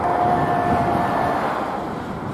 فوجی کمانڈر خود بھی یہ سمجھتے ہیں۔